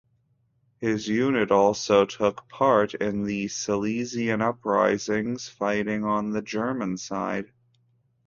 His unit also took part in the Silesian Uprisings fighting on the German side.